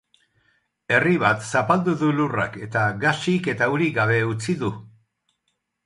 Herri bat zapaldu du lurrak, eta gasik eta urik gabe utzi du.